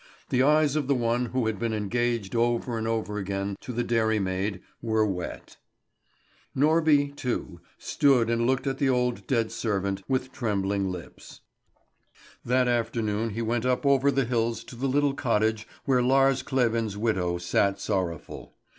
The eyes of the one who had been engaged over and over again to the dairymaid were wet. Norby, too, stood and looked at the old dead servant with trembling lips. That afternoon he went up over the hills to the little cottage where Lars Kleven's widow sat sorrowful.